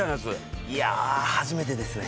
いや初めてですね。